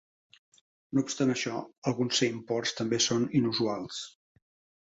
No obstant això, alguns seimports també són inusuals.